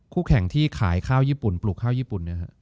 คู่แข่งที่ขายข้าวญี่ปุ่นปลูกข้าวญี่ปุ่นนะครับ